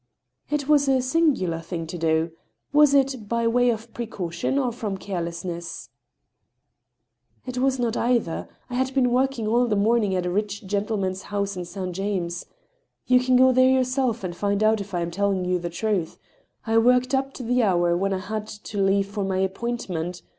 " It was a singular thing to do. Was it by way of precaution or from carelessness ?"*• It was not either. I had been working all the morning at a rich gentleman's house at Saint James. You can go there yourself and find out if I am telling you the truth. ... I worked up to the hour when I had to leave for my appointment.